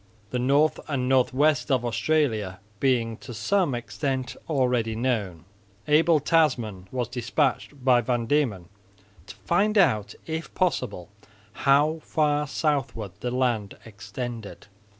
The north and north west of Australia being to some extent already known, Abel Tasman was despatched by Van Diemen to find out, if possible, how far southward the land extended.